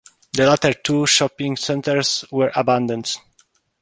The latter two shopping centres were abandoned.